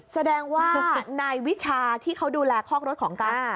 แสดงว่านายวิชาที่เขาดูแลคอกรถของกัน